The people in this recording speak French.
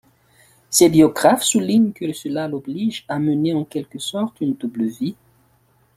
Ses biographes soulignent que cela l'oblige à mener en quelque sorte une double vie.